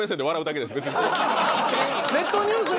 ネットニュースに。